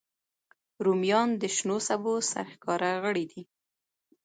رومیان د شنو سبو سرښکاره غړی دی